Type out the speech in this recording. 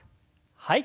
はい。